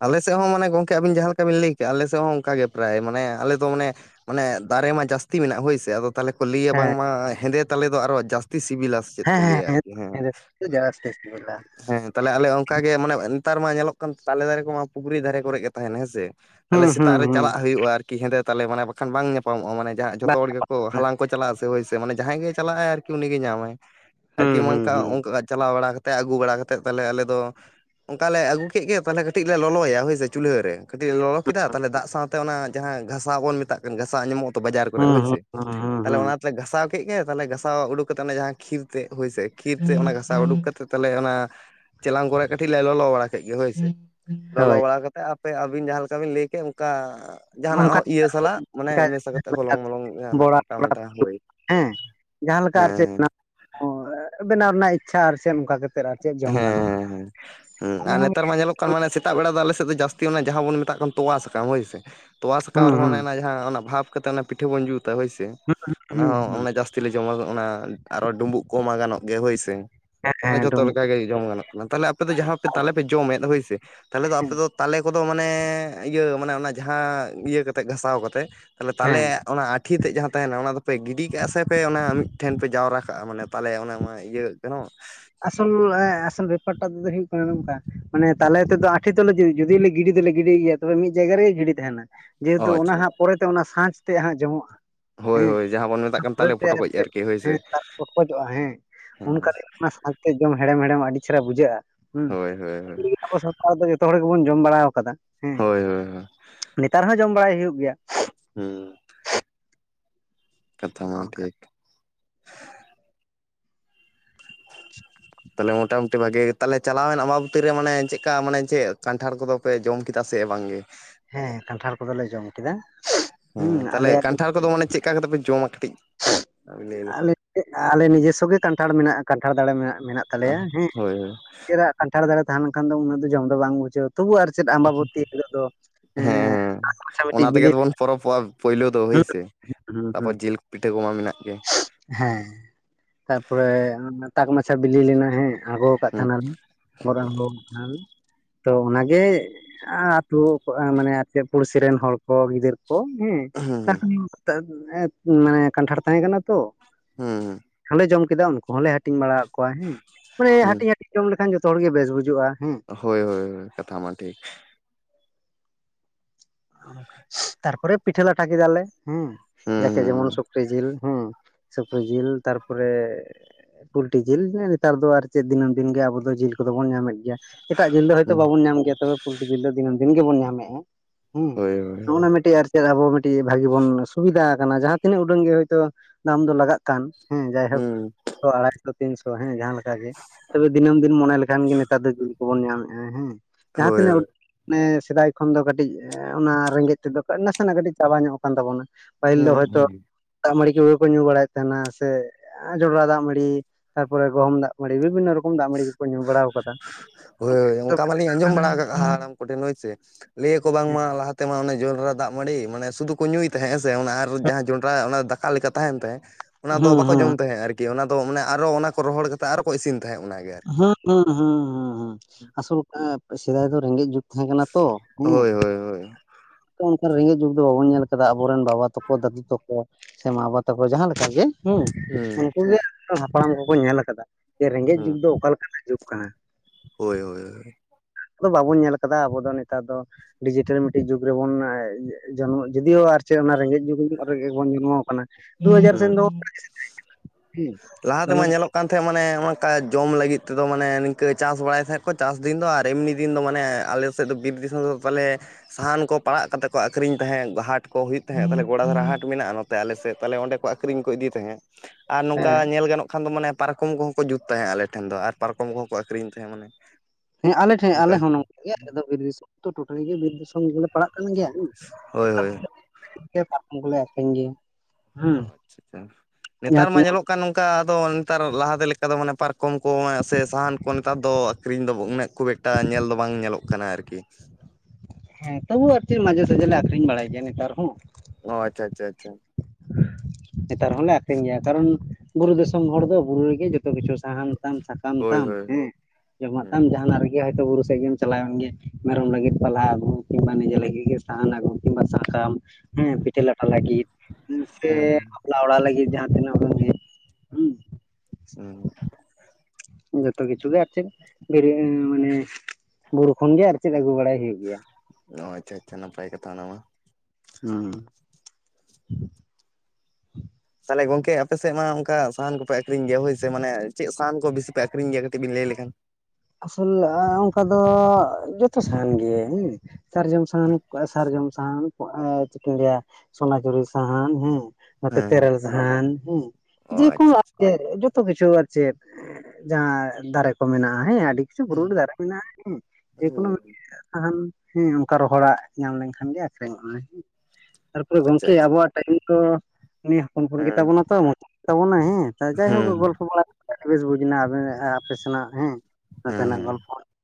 ᱟᱞᱮ ᱥᱮᱫ ᱦᱚᱸ ᱢᱟᱱᱮ ᱜᱚᱝᱠᱮ ᱟᱹᱵᱤᱱ ᱡᱟᱦᱟᱸ ᱞᱮᱠᱟ ᱵᱤᱱ ᱞᱟᱹᱭ ᱠᱮᱜᱼᱟ ᱟᱞᱮ ᱥᱮᱫ ᱦᱚᱸ ᱚᱱᱠᱟ ᱜᱮ ᱯᱨᱟᱭ ᱢᱟᱱᱮ ᱟᱞᱮᱫᱚ ᱢᱟᱱᱮ᱾ ᱢᱟᱱᱮ ᱫᱟᱨᱮ ᱢᱟ ᱡᱟᱹᱥᱛᱤ ᱢᱮᱱᱟᱜᱼᱟ ᱦᱳᱭᱥᱮ ᱟᱫᱚ᱾ ᱛᱟᱦᱚᱞᱮ ᱠᱚ ᱞᱟᱹᱭᱟ ᱦᱮᱸ ᱵᱟᱝᱢᱟ ᱦᱮᱸᱫᱮ ᱛᱟᱞᱮᱫᱚ ᱟᱨᱚ ᱡᱟᱹᱥᱛᱤ ᱥᱤᱵᱤᱞᱟ᱾ ᱪᱮᱫ ᱠᱚ ᱦᱮᱸ ᱞᱟᱹᱭᱟ ᱟᱨᱠᱤ ᱦᱮᱸ ᱡᱟᱥᱛᱤ ᱥᱤᱵᱤᱞᱟ ᱾ ᱦᱮᱸ ᱛᱟᱦᱚᱞᱮ ᱟᱞᱮ ᱚᱱᱠᱟ ᱜᱮ ᱢᱟᱱᱮ ᱱᱮᱛᱟᱨ ᱢᱟ ᱧᱮᱞᱚᱜ ᱠᱟᱱ ᱛᱟᱞᱮ ᱫᱷᱟᱨᱮ ᱠᱚ ᱢᱟ ᱯᱩᱠᱷᱨᱤ ᱫᱷᱟᱨᱮ ᱠᱚᱨᱮᱜ ᱜᱮ ᱛᱟᱦᱮᱱᱟ ᱦᱮᱸ ᱥᱮ᱾ ᱛᱟᱦᱞᱮ ᱦᱩᱸ ᱦᱩᱸ ᱥᱮᱛᱟᱜ ᱨᱮ ᱦᱩᱸ ᱪᱟᱞᱟᱜ ᱦᱩᱭᱩᱜᱼᱟ ᱟᱨᱠᱤ ᱦᱮᱸᱫᱮ ᱛᱟᱞᱮ ᱢᱟᱱᱮ ᱵᱟᱠᱷᱟᱱ ᱵᱟᱝ ᱧᱟᱯᱟᱢᱚᱜᱼᱟ ᱢᱟᱱᱮ ᱡᱟᱦᱟᱸ ᱡᱚᱛᱚ ᱵᱟᱝ ᱦᱚᱲ ᱜᱮᱠᱚ ᱵᱟᱝ ᱦᱟᱞᱟᱝ᱾ ᱠᱚ ᱪᱟᱞᱟᱜᱼᱟ ᱥᱮ ᱦᱳᱭᱥᱮ ᱢᱟᱱᱮ ᱡᱟᱦᱟᱸᱭ ᱜᱮᱭ ᱪᱟᱞᱟᱜᱼᱟᱭ ᱟᱨᱠᱤ ᱩᱱᱤ ᱜᱮ ᱧᱟᱢᱟᱭ ᱦᱩᱸ ᱟᱨᱠᱤ ᱦᱩᱸ ᱵᱟᱝᱠᱟ ᱦᱩᱸ ᱚᱱᱠᱟ ᱪᱟᱞᱟᱣ ᱵᱟᱲᱟ ᱠᱟᱛᱮ᱾ ᱛᱮ ᱟᱹᱜᱩ ᱵᱟᱲᱟ ᱠᱟᱛᱮᱫ ᱛᱟᱦᱚᱞᱮ ᱟᱞᱮ ᱫᱚ ᱚᱱᱠᱟ ᱞᱮ ᱟᱹᱜᱩ ᱠᱮᱫ ᱜᱮ ᱛᱟᱦᱚᱞᱮ ᱠᱟᱹᱴᱤᱡ ᱞᱮ ᱞᱚᱞᱚᱭᱟ ᱦᱳᱭ ᱥᱮ ᱪᱩᱞᱦᱟᱹ ᱨᱮ᱾ ᱠᱟᱹᱴᱤᱡ ᱞᱚᱞᱚ ᱠᱮᱫᱟ ᱛᱟᱦᱚᱞᱮ ᱫᱟᱜ ᱥᱟᱶᱛᱮ ᱚᱱᱟ ᱡᱟᱦᱟᱸ ᱜᱷᱟᱥᱟᱣ ᱵᱚᱱ ᱢᱮᱛᱟᱜ ᱠᱟᱱ ᱜᱷᱟᱥᱟᱣ ᱧᱟᱢᱚᱜ᱾ ᱵᱟᱡᱟᱨ ᱠᱚᱨᱮ ᱦᱩᱸ ᱦᱳᱭ ᱦᱩᱸ ᱥᱮ ᱦᱩᱸ ᱦᱩᱸ ᱛᱟᱦᱞᱮ ᱦᱩᱸ ᱚᱱᱟᱛᱮ ᱜᱷᱟᱥᱟᱣ ᱾ ᱠᱮᱜ ᱜᱮ ᱛᱟᱦᱞᱮ ᱜᱟᱥᱟᱣ ᱩᱰᱩᱠ ᱠᱟᱛᱮ ᱚᱱᱮ ᱡᱟᱦᱟᱸ ᱠᱷᱤᱨ ᱛᱮᱜ ᱦᱳᱭᱥᱮ ᱠᱷᱤᱨ ᱛᱮᱜ ᱚᱱᱟ ᱜᱟᱥᱟᱣ ᱩᱰᱩᱠ ᱠᱟᱛᱮ ᱛᱟᱦᱞᱮ ᱚᱱᱟ᱾ ᱪᱮᱞᱟᱝ ᱠᱚᱨᱮ ᱠᱟᱹᱴᱤᱡ ᱞᱮ ᱞᱚᱞᱚ ᱵᱟᱲᱟ ᱠᱮᱜ ᱜᱮ ᱦᱳᱭ ᱥᱮ᱾ ᱞᱚᱞᱚ ᱦᱳᱭ ᱵᱟᱲᱟ ᱠᱟᱛᱮᱜ ᱟᱯᱮ ᱟᱹᱵᱤᱱ ᱡᱟᱦᱟᱸᱞᱮᱠᱟ ᱵᱤᱱ ᱞᱟᱹᱭ ᱠᱮᱜ-ᱟ ᱚᱱᱠᱟ ᱡᱟᱦᱟᱱᱟᱜ ᱚᱱᱠᱟ ᱦᱚ ᱤᱭᱟᱹ ᱥᱟᱞᱟᱜ ᱢᱟᱱᱮ ᱞᱮᱠᱟ ᱢᱮᱥᱟ ᱠᱟᱛᱮᱜ ᱦᱚᱞᱚᱝ ᱢᱚᱞᱚᱝ ᱡᱟᱦᱟᱱᱟᱜ ᱵᱚᱲᱟ ᱟᱴᱟ ᱢᱟᱴᱟ ᱦᱚᱭ᱾ ᱦᱮᱸ ᱡᱟᱦᱟᱸ ᱞᱮᱠᱟ ᱟᱨ ᱪᱮᱫ [UNINTELLIGIBLE] ᱵᱮᱱᱟᱣ ᱨᱮᱱᱟᱜ ᱤᱪᱪᱷᱟ ᱟᱨ ᱪᱮᱫ ᱚᱱᱠᱟ ᱠᱟᱛᱮᱫ ᱟᱨ ᱪᱮᱫ ᱦᱮᱸ ᱡᱚᱢ ᱜᱟᱱᱚᱜᱼᱟ ᱦᱮᱸ ᱦᱩᱸ ᱟᱞᱮ ᱟᱨ ᱦᱚᱸ ᱱᱮᱛᱟᱨ ᱢᱟ ᱧᱮᱞᱚᱜ ᱠᱟᱱ ᱢᱟᱱᱮ ᱥᱮᱛᱟᱜ ᱵᱮᱲᱟ ᱫᱚ ᱟᱞᱮ ᱥᱮᱫ ᱫᱚ ᱡᱟᱹᱥᱛᱤ ᱚᱱᱟ ᱡᱟᱦᱟᱸ ᱵᱚᱱ ᱢᱮᱛᱟᱜ ᱠᱟᱱ ᱛᱚᱣᱟ ᱥᱟᱠᱟᱢ ᱦᱳᱭ ᱥᱮ᱾ ᱛᱚᱣᱟ ᱥᱟᱠᱟᱢ ᱦᱩᱸ ᱨᱮᱦᱚᱸ ᱚᱱᱮ ᱦᱩᱸ ᱚᱱᱟ ᱡᱟᱦᱟᱸ ᱚᱱᱟ ᱵᱷᱟᱯ ᱠᱟᱛᱮ ᱚᱱᱟ ᱯᱤᱴᱷᱟᱹ ᱵᱚᱱ ᱡᱩᱛᱟ ᱦᱳᱭᱥᱮ ᱚᱱᱟ ᱦᱩᱸ ᱦᱚᱸ ᱦᱩᱸ ᱚᱱᱮ ᱡᱟᱥ ᱪᱤᱞᱤ [UNINTELLIGIBLE] ᱡᱚᱢᱟ ᱚᱱᱟ ᱟᱨᱚ ᱰᱩᱸᱢᱵᱩᱜ ᱠᱚᱢᱟ ᱜᱟᱱᱚᱜ ᱜᱮᱭᱟ ᱦᱳᱭ ᱥᱮ [UNINTELLIGIBLE] ᱰᱩᱸᱢᱵᱩᱜ ᱤᱱᱠᱟᱹ ᱜᱮ [UNINTELLIGIBLE] ᱡᱚᱢ ᱜᱟᱱᱚᱜ ᱠᱟᱱᱟ ᱛᱟᱦᱚᱞᱮ ᱟᱯᱮ ᱫᱚ ᱡᱟᱦᱟᱸᱯᱮ ᱛᱟᱞᱮ ᱯᱮ ᱡᱚᱢᱮᱫ ᱦᱳᱭ ᱥᱮ ᱛᱟᱦᱚᱞᱮ ᱫᱚ ᱦᱮᱸ ᱟᱯᱮ ᱫᱚ ᱛᱟᱞᱮ ᱠᱚᱫᱚ ᱢᱟᱱᱮ ᱤᱭᱟᱹ ᱢᱟᱱᱮ ᱚᱱᱟ ᱡᱟᱦᱟᱸ ᱤᱭᱟᱹ ᱠᱟᱛᱮᱫ ᱜᱷᱟᱥᱟᱣ ᱠᱟᱛᱮᱫ ᱛᱟᱦᱚᱞᱮ ᱛᱟᱞᱮ ᱦᱮᱸ ᱚᱱᱟ ᱟᱴᱷᱤ ᱛᱮᱫ ᱡᱟᱦᱟᱸ ᱛᱟᱦᱮᱱᱟ ᱚᱱᱟ ᱫᱚᱯᱮ ᱜᱤᱰᱤ ᱠᱟᱜᱼᱟ ᱥᱮ ᱯᱮ ᱚᱱᱟ ᱢᱤᱫ ᱴᱷᱮᱱ ᱯᱮ ᱡᱟᱣᱨᱟ ᱠᱟᱜᱼᱟ ᱢᱟᱱᱮ ᱛᱟᱦᱚᱞᱮ ᱚᱱᱟ ᱢᱟ ᱤᱭᱟᱹ ᱠᱟᱱᱟ ᱟᱥᱚᱞ ᱮᱸ ᱟᱥᱚᱞ ᱵᱮᱯᱟᱨᱴᱟ ᱛᱮᱫᱚ ᱦᱩᱭᱩᱜ ᱠᱟᱱᱟ ᱱᱚᱝᱠᱟ ᱢᱟᱱᱮ ᱛᱟᱞᱮ ᱛᱮᱫᱚ ᱟᱴᱷᱤ ᱫᱚ ᱞᱮ ᱡᱩᱫᱤ ᱞᱮ ᱜᱤᱰᱤ ᱫᱚᱞᱮ ᱜᱤᱰᱤ ᱜᱮᱭᱟ᱾ ᱛᱚᱵᱮ ᱢᱤᱫ ᱡᱟᱭᱜᱟ ᱨᱮᱜᱮ ᱜᱤᱰᱤ ᱛᱟᱦᱮᱱᱟ ᱚ ᱡᱮᱦᱮᱛᱩ ᱚᱱᱟ ᱟᱪᱪᱷᱟ ᱦᱟᱸᱜ ᱯᱚᱨᱮᱛᱮ ᱚᱱᱟ ᱥᱟᱡᱽ ᱛᱮ ᱦᱟᱸᱜ ᱡᱚᱢᱚᱜᱼᱟ᱾ ᱦᱳᱭ ᱦᱮᱸ ᱦᱳᱭ ᱡᱟᱦᱟᱸ ᱵᱚᱱ ᱢᱮᱛᱟᱜ ᱠᱟᱱ ᱯᱚᱨᱮ ᱛᱟᱞᱮ ᱛᱮ ᱟᱨ ᱯᱚᱴᱚᱠᱚᱡ ᱪᱮᱫ ᱟᱨᱠᱤ ᱦᱳᱭ ᱥᱮ ᱦᱮᱸ ᱫᱟ ᱯᱚᱴᱠᱚᱡᱚᱜᱼᱟ ᱦᱮᱸ ᱦᱮᱸ ᱚᱱᱠᱟᱞᱤᱧ ᱥᱟᱸᱥᱛᱮᱛ ᱡᱚᱢ ᱦᱮᱲᱮᱢ ᱦᱮᱲᱮᱢ ᱟᱹᱰᱤ ᱪᱮᱦᱨᱟ ᱵᱩᱡᱷᱟᱹᱜᱼᱟ ᱦᱩᱸ ᱦᱳᱭ ᱦᱳᱭ ᱦᱳᱭ [UNINTELLIGIBLE] ᱟᱫᱚ ᱡᱚᱛᱚ ᱦᱚᱲ ᱜᱮᱵᱚᱱ ᱡᱚᱢ ᱵᱟᱲᱟᱣ ᱠᱟᱫᱟ ᱦᱮᱸ ᱦᱳᱭ ᱦᱳᱭ ᱦᱳᱭ ᱱᱮᱛᱟᱨ ᱦᱚᱸ ᱡᱚᱢ ᱵᱟᱲᱟᱭ ᱦᱩᱭᱩᱜ ᱜᱮᱭᱟ᱾ ᱦᱮᱸᱻ᱾ ᱠᱟᱛᱷᱟ ᱱᱚᱜᱼᱚ ᱢᱟ ᱱᱚᱝᱠᱟ ᱴᱷᱤᱠ᱾ [INAUDIBLE] ᱛᱟᱦᱚᱞᱮ ᱢᱚᱴᱟᱢᱩᱴᱤ ᱵᱷᱟᱜᱤ ᱜᱮ ᱛᱟᱦᱚᱞᱮ ᱪᱟᱞᱟᱣᱮᱱ ᱟᱢᱵᱟᱵᱚᱛᱤ ᱨᱮ ᱢᱟᱱᱮ ᱪᱮᱫᱠᱟ ᱢᱟᱱᱮ ᱪᱮᱫ ᱠᱟᱱᱴᱷᱟᱲ ᱠᱚᱫᱚ ᱯᱮ ᱡᱚᱢ ᱠᱮᱫᱟ ᱥᱮ ᱵᱟᱝᱜᱮ? ᱦᱮᱸ ᱠᱟᱱᱴᱷᱟᱲ ᱠᱚᱫᱚᱞᱮ ᱡᱚᱢ ᱠᱮᱫᱟ᱾ ᱦᱮᱸ ᱦᱩᱸ ᱛᱟᱦᱚᱞᱮ ᱟᱞᱮᱭᱟᱜ ᱠᱟᱱᱴᱷᱟᱲ ᱠᱚᱫᱚ ᱢᱟᱱᱮ ᱪᱮᱜ-ᱠᱟ ᱠᱟᱛᱮ ᱯᱮ ᱡᱚᱢᱟ ᱠᱟᱹᱴᱤᱡ ᱞᱟᱹᱭ ᱞᱮᱠᱷᱟᱱ ᱟᱞᱮ ᱟᱞᱮ ᱱᱤᱡᱮᱥᱥᱚ ᱜᱮ ᱠᱟᱱᱴᱷᱟᱲ ᱢᱮᱱᱟᱜᱼᱟ ᱠᱟᱱᱴᱷᱟᱲ ᱫᱟᱲᱮ ᱢᱮᱱᱟᱜ ᱢᱮᱱᱟᱜ ᱛᱟᱞᱮᱭᱟ ᱦᱮᱸ᱾ ᱦᱳᱭ ᱦᱳᱭ᱾ ᱱᱤᱡᱮᱨᱟᱜ ᱠᱟᱱᱴᱷᱟᱲ ᱫᱟᱲᱮ ᱛᱟᱦᱮ ᱞᱮᱱᱠᱷᱟᱱ ᱫᱚ ᱩᱱᱟᱹᱜ ᱫᱚ ᱡᱚᱢ ᱫᱚ ᱵᱟᱝ ᱵᱩᱡᱷᱟᱹᱜ-ᱟ ᱛᱚᱵᱩ ᱟᱨ ᱥᱮᱫ ᱟᱢᱵᱟᱵᱚᱛᱤ ᱦᱤᱞᱳᱜ ᱫᱚ ᱮᱸ [UNINTELLIGIBLE] ᱢᱟᱪᱷᱟ ᱢᱤᱫᱴᱤᱡ ᱵᱤᱞᱤ ᱯᱚᱨᱚᱵᱽᱚᱜᱼᱟ ᱯᱳᱭᱞᱳ ᱫᱚ ᱦᱳᱭ ᱦᱩᱸ ᱥᱮ ᱦᱩᱸ ᱦᱩᱸ ᱛᱟᱯᱚᱨ ᱡᱤᱞ ᱯᱤᱴᱷᱟᱹ ᱠᱚᱢᱟ ᱢᱮᱱᱟᱜ ᱜᱮ᱾ ᱦᱮᱸ ᱛᱟᱯᱚᱨᱮ [UNINTELLIGIBLE] ᱛᱟᱠ ᱢᱟᱪᱷᱟ ᱵᱤᱞᱤ ᱞᱮᱱᱟ ᱦᱮᱸ ᱟᱬᱜᱚᱣᱟᱠᱟᱫ ᱦᱩᱸ ᱛᱟᱦᱮᱱᱟᱞᱤᱧ᱾ [UNINTELLIGIBLE] ᱛᱚ ᱚᱱᱟᱜᱮ ᱟᱛᱳ ᱢᱟᱱᱮ ᱟᱯᱮᱭᱟᱜ ᱯᱩᱲᱥᱤ ᱨᱮᱱ ᱦᱚᱲ ᱠᱚ ᱜᱤᱫᱟᱹᱨ ᱠᱚ ᱦᱮᱸ ᱦᱩᱸ [UNINTELLIGIBLE] ᱢᱟᱱᱮ ᱠᱟᱱᱴᱷᱟᱲ ᱛᱟᱦᱮᱸ ᱠᱟᱱᱟ ᱛᱚ᱾ ᱦᱮᱸ ᱦᱮᱸ᱾ ᱦᱚᱞᱮ ᱡᱚᱢ ᱠᱮᱫᱟ ᱩᱱᱠᱩ ᱦᱚᱸᱞᱮ ᱦᱟᱹᱴᱤᱧ ᱵᱟᱲᱟᱣᱟᱫ ᱠᱚᱣᱟ ᱦᱮᱸ ᱢᱟᱱᱮ ᱦᱩᱸ ᱦᱟᱹᱴᱤᱧ ᱦᱟᱹᱴᱤᱧ ᱡᱚᱢ ᱞᱮᱠᱷᱟᱱ ᱡᱚᱛᱚ ᱦᱚᱲ ᱜᱮ ᱵᱮᱥ ᱵᱩᱡᱩᱜᱼᱟ ᱦᱮᱸ᱾ ᱦᱳᱭ ᱦᱳᱭ ᱠᱟᱛᱷᱟ ᱢᱟ ᱴᱷᱤᱠ᱾ ᱛᱟᱨᱯᱚᱨᱮ ᱯᱤᱴᱷᱟᱹ ᱞᱟᱴᱷᱟ ᱠᱮᱫᱟᱞᱮ ᱦᱮᱸ ᱡᱟᱠᱮ ᱡᱮᱢᱚᱱ ᱦᱩᱸ ᱥᱩᱠᱨᱤ ᱡᱤᱞ ᱦᱮᱸ᱾ ᱥᱩᱠᱨᱤ ᱡᱤᱞ ᱛᱟᱨ ᱯᱚᱨᱮ ᱯᱩᱞᱴᱤ ᱡᱤᱞ ᱱᱮᱛᱟᱨ ᱫᱚ ᱟᱨ ᱪᱮᱫ ᱫᱤᱱᱟᱹᱢ ᱫᱤᱱᱜᱮ ᱟᱵᱚ ᱫᱚ ᱡᱤᱞ ᱠᱚᱫᱚ ᱵᱚᱱ ᱧᱟᱢᱮᱫ ᱜᱮᱭᱟ᱾ ᱮᱴᱟᱜ ᱡᱤᱞ ᱫᱚ ᱦᱚᱭᱛᱳ ᱦᱩᱸ ᱵᱟᱵᱚᱱ ᱧᱟᱢ ᱜᱮᱭᱟ ᱛᱚᱵᱮ ᱯᱩᱞᱴᱤ ᱡᱤᱞ ᱫᱚ ᱫᱤᱱᱟᱹᱢ ᱫᱤᱱ ᱜᱮᱵᱚᱱ ᱧᱟᱢᱮᱜᱼᱟ᱾ ᱦᱩᱸ ᱦᱳᱭ ᱦᱳᱭ ᱱᱚᱜ-ᱚ ᱱᱚᱣᱟ ᱢᱤᱫᱤᱡ ᱟᱨ ᱪᱮᱫ ᱟᱵᱚ ᱢᱤᱫᱴᱤᱡ ᱵᱷᱟᱜᱤ ᱵᱚᱱ ᱥᱩᱵᱤᱫᱷᱟ ᱟᱠᱟᱱᱟ ᱡᱟᱦᱟᱸ ᱛᱤᱱᱟᱹᱜ ᱩᱰᱟᱹᱱ ᱜᱮ ᱦᱚᱭᱛᱳ ᱫᱟᱢ ᱫᱚ ᱞᱟᱜᱟᱜ ᱠᱟᱱ᱾ ᱦᱮᱸ ᱡᱟᱭᱦᱳᱠ ᱦᱩᱸ [UNINTELLIGIBLE] ᱛᱤᱱᱥᱚ ᱦᱮᱸ ᱡᱟᱦᱟᱸ ᱞᱮᱠᱟ ᱜᱮ ᱛᱚᱵᱮ ᱫᱤᱱᱟᱹᱢ ᱫᱤᱱ ᱢᱚᱱᱮ ᱞᱮᱠᱷᱟᱱ ᱜᱮ ᱱᱮᱛᱟᱨ ᱫᱚ ᱡᱤᱞ ᱠᱚᱵᱚᱱ ᱧᱟᱢᱮᱫᱟ ᱦᱮᱸ᱾ ᱡᱟᱦᱟᱸ ᱦᱳᱭ ᱛᱤᱱᱟᱹᱜ᱾ ᱦᱳᱭ ᱢᱟᱱᱮ ᱥᱮᱫᱟᱭ ᱠᱷᱚᱱ ᱫᱚ ᱠᱟᱹᱴᱤᱡ ᱚᱱᱟ ᱨᱮᱸᱜᱮᱡ ᱛᱮᱫ ᱫᱚ ᱱᱟᱥᱮᱱᱟᱜ ᱠᱟᱹᱴᱤᱡ ᱪᱟᱵᱟ ᱧᱚᱜ ᱠᱟᱱ ᱛᱟᱵᱚᱱᱟ᱾ ᱯᱟᱹᱦᱤᱞ ᱫᱚ ᱦᱩᱸ ᱦᱚᱭᱛᱚ ᱦᱩᱸ ᱫᱟᱜ ᱢᱟᱹᱲᱤ ᱠᱚ ᱜᱮ ᱠᱚ ᱧᱩ ᱵᱟᱲᱟᱭᱮᱫ ᱛᱟᱦᱮᱱᱟ ᱥᱮ᱾ ᱡᱚᱱᱰᱨᱟ ᱫᱟᱜ ᱢᱟᱹᱲᱤ ᱛᱟᱨᱯᱚᱨᱮ ᱜᱚᱦᱚᱢ ᱫᱟᱜ ᱢᱟᱹᱲᱤ ᱵᱤᱵᱷᱤᱱᱱᱚ ᱨᱚᱠᱚᱢ ᱫᱟᱜ ᱢᱟᱹᱲᱤ ᱠᱚᱠᱚ ᱧᱩ ᱵᱟᱲᱟᱣ ᱠᱟᱫᱟ᱾ ᱦᱳᱭ ᱦᱳᱭ ᱚᱱᱠᱟ ᱢᱟᱞᱤᱧ ᱟᱸᱡᱚᱢ ᱵᱟᱲᱟ ᱠᱟᱜ-ᱟ ᱦᱟᱲᱟᱢ ᱠᱚᱴᱷᱮᱱ ᱦᱳᱭᱥᱮ, ᱞᱟᱹᱭ ᱟᱠᱚ ᱦᱩᱸ ᱵᱟᱝᱢᱟ ᱞᱟᱦᱟ᱾ ᱛᱮᱢᱟ ᱚᱱᱮ ᱡᱚᱸᱰᱨᱟ ᱫᱟᱜ ᱢᱟᱰᱤ ᱢᱟᱱᱮ ᱥᱩᱫᱷᱩ ᱠᱚ ᱧᱩᱭ ᱛᱟᱦᱮᱸᱜ ᱦᱮᱸ ᱥᱮ ᱚᱱᱟ ᱟᱨ ᱡᱟᱦᱟᱸ ᱡᱚᱸᱱᱰᱨᱟ ᱚᱱᱟ ᱫᱟᱠᱟ ᱞᱮᱠᱟ ᱛᱟᱦᱮᱱ ᱛᱟᱦᱮᱸᱜ᱾ ᱚᱱᱟ ᱫᱚ ᱦᱩᱸ ᱵᱟᱠᱚ ᱦᱩᱸ ᱡᱚᱢ ᱛᱟᱦᱮᱸᱜ ᱟᱨᱠᱤ ᱚᱱᱟ ᱫᱚ ᱢᱟᱱᱮ ᱟᱨᱚ ᱚᱱᱟ ᱠᱚ ᱨᱚᱦᱚᱲ ᱠᱟᱛᱮᱫ ᱟᱨᱚ ᱠᱚ ᱤᱥᱤᱱ ᱛᱟᱦᱮᱸᱫ ᱚᱱᱟᱜ ᱜᱮ ᱟᱨᱠᱤ᱾ ᱦᱩᱸ ᱦᱩᱸ ᱦᱩᱸ ᱦᱩᱸ ᱟᱥᱚᱞ ᱮ ᱥᱮᱫᱟᱭ ᱫᱚ ᱨᱮᱸᱜᱮᱡ ᱡᱩᱜᱽ᱾ ᱛᱟᱦᱮᱸ ᱠᱟᱱᱟ ᱛᱚ ᱦᱮᱸ᱾ ᱦᱳᱭ ᱦᱳᱭ ᱦᱳᱭ ᱟᱵᱚᱫᱚ ᱚᱱᱠᱟ ᱨᱮᱸᱜᱮᱡ ᱡᱩᱜᱽ ᱫᱚ ᱵᱟᱵᱚᱱ ᱧᱮᱞ ᱟᱠᱟᱫᱟ ᱟᱵᱚᱨᱮᱱ ᱵᱟᱵᱟ ᱛᱟᱠᱚ ᱫᱟᱫᱩ ᱛᱟᱠᱚ᱾ ᱥᱮ ᱢᱟ ᱵᱟ ᱛᱟᱠᱚ ᱡᱟᱦᱟᱸ ᱞᱮᱠᱟ ᱜᱮ᱾ ᱦᱩᱸ ᱦᱮᱸ ᱩᱱᱠᱩ ᱜᱮ ᱦᱟᱯᱲᱟᱢ ᱠᱚᱠᱚ ᱧᱮᱞ ᱟᱠᱟᱫᱟ ᱡᱮ ᱨᱮᱸᱜᱮᱡ ᱦᱩᱸ ᱡᱩᱜᱽ ᱫᱚ ᱚᱠᱟ ᱞᱮᱠᱟᱱᱟᱜ ᱡᱩᱜ ᱠᱟᱱᱟ᱾ ᱦᱳᱭ ᱦᱳᱭ᱾ ᱟᱫᱚ ᱵᱟᱵᱚᱱ ᱧᱮᱞ ᱠᱟᱫᱟ ᱟᱵᱚ ᱫᱚ ᱱᱮᱛᱟᱨ ᱫᱚ ᱰᱤᱡᱤᱴᱮᱞ ᱢᱤᱫᱴᱤᱡ ᱡᱩᱜᱽ ᱨᱮᱵᱚᱱ᱾ ᱡᱚᱱᱢᱚ ᱡᱩᱫᱤᱭᱳ ᱟᱨ ᱪᱮᱫ ᱚᱱᱟ ᱨᱮᱸᱜᱮᱡ ᱡᱩᱜᱽ ᱨᱮᱜᱮ ᱵᱚᱱ ᱡᱚᱱᱢᱚ ᱟᱠᱟᱱᱟ᱾ ᱫᱩ ᱦᱟᱡᱟᱨ ᱥᱮᱱ ᱫᱚ ᱦᱩᱸ ᱞᱟᱦᱟ ᱫᱚᱢᱮ ᱛᱮᱢᱟ [UNINTELLIGIBLE] ᱧᱮᱞᱚᱜ ᱠᱟᱱ ᱛᱟᱦᱮᱸᱫ ᱢᱟᱱᱮ ᱚᱱᱠᱟ ᱡᱚᱢ ᱞᱟᱹᱜᱤᱫ ᱛᱮᱫᱚ ᱢᱟᱱᱮ ᱱᱤᱝᱠᱟᱹ ᱪᱟᱥ ᱵᱟᱲᱟᱭ ᱛᱟᱦᱮᱸᱫ ᱠᱚ ᱪᱟᱥ ᱫᱤᱱ ᱫᱚ ᱟᱨ ᱮᱢᱱᱤ ᱫᱤᱱ ᱫᱚ ᱢᱟᱱᱮ ᱟᱞᱮ᱾ ᱥᱮᱫ ᱫᱚ ᱵᱤᱨ ᱫᱤᱥᱚᱢ ᱫᱚ ᱯᱟᱞᱮ᱾ ᱥᱟᱦᱟᱱ ᱠᱚ ᱯᱟᱲᱟᱜ ᱠᱟᱛᱮᱫ ᱠᱚ ᱟᱹᱠᱷᱨᱤᱧ ᱛᱟᱦᱮᱸᱫ ᱦᱟᱴ ᱠᱚ ᱦᱩᱭᱩᱜ ᱛᱟᱦᱮᱸᱫ ᱛᱟᱦᱞᱮ ᱜᱚᱲᱟ ᱫᱷᱟᱨᱟ ᱦᱟᱴ ᱢᱮᱱᱟᱜ-ᱟ ᱱᱚᱛᱮ ᱟᱞᱮ ᱥᱮᱫ᱾ ᱛᱟᱦᱚᱞᱮ ᱚᱸᱰᱮ ᱠᱚ ᱟᱹᱠᱷᱨᱤᱧ ᱠᱚ ᱤᱫᱤ ᱛᱟᱦᱮᱸᱫ ᱟᱨ ᱦᱮᱸ ᱱᱚᱝᱠᱟ ᱧᱮᱞ ᱜᱟᱱᱚᱜ ᱠᱷᱟᱱ ᱫᱚ ᱢᱟᱱᱮ᱾ ᱯᱟᱨᱠᱚᱢ ᱠᱚᱦᱚᱸ ᱠᱚ ᱡᱩᱛ ᱛᱟᱦᱮᱸᱫ ᱟᱞᱮ ᱴᱷᱮᱱ ᱫᱚ ᱟᱨ ᱯᱟᱨᱠᱚᱢ ᱠᱚᱦᱚᱸ ᱠᱚ ᱟᱹᱠᱷᱨᱤᱧ ᱛᱟᱦᱮᱸᱫ ᱢᱟᱱᱮ᱾ ᱦᱮᱸ ᱟᱞᱮ ᱴᱷᱮᱱ ᱟᱞᱮ ᱚᱱᱠᱟ ᱦᱚᱸ ᱱᱚᱝᱠᱟ ᱜᱮ ᱟᱫᱚ ᱵᱤᱨ ᱫᱤᱥᱚᱢ ᱴᱩᱴᱩᱨᱤ ᱜᱮ ᱵᱤᱨ ᱫᱤᱥᱚᱢ ᱜᱮᱞᱮ᱾ ᱯᱟᱲᱟᱜ ᱠᱟᱱ ᱜᱮᱭᱟ ᱦᱳᱭ ᱦᱳᱭ [UNINTELLIGIBLE] ᱯᱟᱨᱠᱚᱢ ᱠᱚᱞᱮ ᱟᱹᱠᱷᱨᱤᱧ ᱜᱮᱭᱟ᱾ ᱦᱮᱸ ᱚ ᱟᱪᱪᱷᱟ ᱟᱪᱪᱷᱟ ᱡᱟᱦᱟᱸ ᱱᱮᱛᱟᱨ ᱢᱟ ᱛᱤᱱᱟᱹᱜ ᱧᱮᱞᱚᱜ᱾ ᱚᱱᱠᱟ ᱱᱚᱝᱠᱟ ᱟᱫᱚ ᱱᱮᱛᱟᱨ ᱞᱟᱦᱟᱛᱮ ᱞᱮᱠᱟ ᱫᱚ ᱢᱟᱱᱮ ᱯᱟᱨᱠᱚᱢ ᱠᱚ ᱥᱮ ᱥᱟᱦᱟᱱ ᱠᱚ ᱱᱮᱛᱟᱨ ᱫᱚ ᱟᱹᱠᱷᱨᱤᱧ ᱫᱚ ᱩᱱᱟᱹᱜ ᱠᱷᱩᱵ ᱮᱠ ᱴᱟ ᱧᱮᱞ ᱫᱚ ᱵᱟᱝ ᱧᱮᱞᱚᱜ ᱠᱟᱱᱟ ᱟᱨᱠᱤ᱾ ᱦᱮᱸ ᱛᱚᱵᱩ ᱟᱨ ᱪᱮᱫ ᱢᱟᱡᱷᱮ ᱥᱟᱡᱷᱮ ᱞᱮ ᱟᱹᱠᱷᱨᱤᱧ ᱵᱟᱲᱟᱭ ᱜᱮᱭᱟ ᱱᱮᱛᱟᱨ ᱦᱚᱸ᱾ ᱚ ᱟᱪᱪᱷᱟ ᱟᱪᱪᱷᱟ ᱟᱪᱪᱷᱟ ᱱᱮᱛᱟᱨ ᱦᱚᱸᱞᱮ ᱟᱹᱠᱷᱨᱤᱧ ᱜᱮᱭᱟ ᱠᱟᱨᱚᱱ ᱵᱩᱨᱩ ᱫᱤᱥᱚᱢ ᱦᱚᱲ ᱫᱚ ᱵᱩᱨᱩ ᱨᱮᱜᱮ ᱡᱚᱛᱚ ᱠᱤᱪᱷᱩ ᱥᱟᱦᱟᱱ ᱛᱟᱢ ᱥᱟᱠᱟᱢ ᱦᱳᱭ ᱛᱟᱢ ᱦᱳᱭ ᱦᱮᱸ ᱡᱚᱢᱟᱜ ᱦᱩᱸ ᱛᱟᱢ ᱡᱟᱦᱱᱟᱜ ᱨᱮᱜᱮᱭ ᱵᱩᱨᱩ ᱥᱮᱫ ᱜᱮᱢ ᱪᱟᱞᱟᱣ ᱮᱱ ᱜᱮ ᱢᱮᱨᱚᱢ ᱞᱟᱹᱜᱤᱫ ᱯᱟᱞᱦᱟ ᱟᱜᱳ᱾ ᱠᱤᱢᱵᱟ ᱱᱤᱡᱮ ᱞᱟᱹᱜᱤᱫ ᱜᱮ ᱥᱟᱦᱟᱱ ᱟᱹᱜᱩ ᱠᱤᱢᱵᱟ ᱥᱟᱠᱟᱢ ᱦᱮᱸ ᱯᱤᱴᱷᱟᱹ ᱞᱟᱴᱷᱟ ᱞᱟᱹᱜᱤᱫ᱾ ᱦᱮᱸ ᱥᱮ ᱦᱩᱸ ᱵᱟᱯᱞᱟ ᱚᱲᱟᱜ ᱞᱟᱹᱜᱤᱫ ᱡᱟᱦᱟᱸ ᱛᱤᱱᱟᱹᱜᱤ ᱦᱩᱸ᱾ ᱦᱩᱸ ᱡᱚᱛᱚ ᱠᱤᱪᱷᱩ ᱜᱮ ᱟᱨ ᱪᱮᱫ ᱵᱤᱨᱻ ᱢᱟᱱᱮ᱾ ᱵᱩᱨᱩ ᱠᱷᱚᱱ ᱜᱮ ᱟᱨ ᱪᱮᱫ ᱟᱹᱜᱩ ᱵᱟᱲᱟᱭ ᱦᱩᱭᱩᱜ ᱜᱮᱭᱟ᱾ ᱚ ᱟᱪᱪᱷᱟ ᱟᱪᱪᱷᱟ ᱱᱟᱯᱟᱭ ᱠᱟᱛᱷᱟ ᱚᱱᱟ ᱢᱟ᱾ ᱦᱩᱸ ᱛᱟᱦᱚᱞᱮ ᱜᱚᱝᱠᱮ ᱟᱯᱮ ᱥᱮᱫ ᱢᱟ ᱚᱱᱠᱟ ᱥᱟᱦᱟᱱ ᱠᱚᱯᱮ ᱟᱹᱠᱷᱨᱤᱧ ᱜᱮᱭᱟ ᱦᱳᱭ ᱥᱮ ᱢᱟᱱᱮ ᱪᱮᱫ ᱥᱟᱦᱟᱱ ᱠᱚ ᱵᱮᱥᱤ ᱯᱮ ᱟᱹᱠᱷᱨᱤᱧ ᱜᱮᱭᱟ ᱠᱟᱹᱴᱤᱡ ᱵᱤᱱ ᱞᱟᱹᱭ ᱞᱮᱠᱷᱟᱱ᱾ ᱟᱥᱚᱞ ᱟ ᱚᱱᱠᱟ ᱫᱚᱻ ᱡᱚᱛᱚ ᱥᱟᱦᱟᱱ ᱜᱮ ᱦᱮᱸ ᱥᱟᱨᱡᱚᱢ ᱥᱟᱦᱟᱱ ᱠᱚ ᱥᱟᱨᱡᱚᱢ᱾ ᱥᱟᱦᱟᱱ ᱮ ᱪᱮᱫ ᱠᱚ ᱞᱟᱹᱭᱟ ᱥᱚᱱᱟᱡᱷᱩᱨᱤ ᱥᱟᱦᱟᱱ ᱦᱮᱸ᱾ ᱱᱚᱛᱮ ᱦᱮᱸ ᱦᱮᱸ ᱛᱮᱨᱮᱞ ᱥᱟᱦᱟᱱ ᱦᱩᱸ ᱚ ᱟᱪᱪᱷᱟ ᱟᱪᱪᱷᱟ ᱡᱮᱠᱩᱟᱛᱮᱫ᱾ ᱡᱚᱛᱚ ᱠᱤᱪᱷᱩ ᱟᱨ ᱪᱮᱫ ᱡᱟᱦᱟᱸ ᱫᱟᱨᱮ ᱠᱚ ᱢᱮᱱᱟᱜ-ᱟ ᱦᱮᱸ ᱟᱹᱰᱤ᱾ ᱠᱤᱪᱷᱩ ᱵᱚᱨᱩ ᱨᱮ ᱫᱟᱨᱮ ᱢᱮᱱᱟᱜ-ᱟ ᱦᱮᱸ ᱡᱮᱠᱳᱟᱱᱳ ᱦᱩᱸ ᱥᱟᱦᱟᱱ᱾ ᱦᱮᱸ ᱚᱱᱠᱟ ᱨᱚᱦᱚᱲᱟᱜ ᱧᱟᱢ ᱞᱮᱱᱠᱷᱟᱱ ᱜᱮ ᱟᱹᱠᱷᱨᱤᱧᱚᱜ-ᱟ ᱦᱮᱸ ᱛᱟᱨᱯᱚᱨᱮ ᱟᱪᱪᱷᱟ ᱜᱚᱝᱠᱮ ᱟᱪᱪᱷᱟ ᱟᱵᱚᱣᱟᱜ᱾ ᱛᱟᱞᱤᱧᱟ ᱫᱚ ᱤᱧ ᱫᱚ ᱦᱚᱯᱚᱱ ᱦᱚᱯᱚᱱ ᱜᱮᱛᱟ ᱦᱮᱸ ᱵᱚᱱᱟ ᱛᱚ ᱢᱚᱪ ᱜᱮᱛᱟᱵᱚᱱᱟ ᱦᱮᱸ ᱡᱟᱭᱦᱳᱠ ᱦᱮᱸ ᱜᱚᱞᱯᱚ ᱵᱟᱲᱟ ᱵᱮᱥ ᱵᱩᱡᱽ ᱮᱱᱟ ᱟᱨ ᱟᱯᱮ ᱥᱮᱱᱟᱜ ᱦᱮᱸ ᱦᱮᱸ ᱱᱚᱛᱮᱱᱟᱜ ᱦᱮᱸ ᱜᱚᱞᱯᱚ